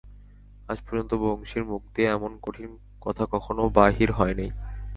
আজ পর্যন্ত বংশীর মুখ দিয়া এমন কঠিন কথা কখনো বাহির হয় নাই।